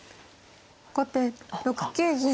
後手６九銀。